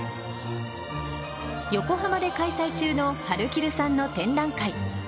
横浜で開催中のはるきるさんの展覧会。